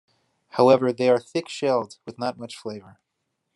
However they are thick-shelled, with not much flavor.